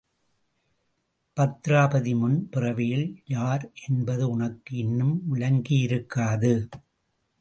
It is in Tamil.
பத்திராபதி முன் பிறவியில் யார் என்பது உனக்கு இன்னும் விளங்கியிருக்காது.